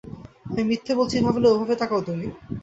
আমি মিথ্যে বলছি ভাবলে ওভাবে তাকাও তুমি।